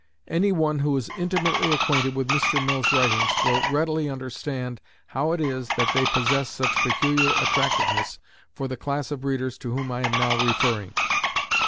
Any one who is intimately acquainted with Mr. Mill's writings will readily understand how it is that they possess such peculiar attractiveness for the class of readers to whom I am now referring.